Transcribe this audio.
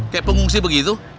kayak pengungsi begitu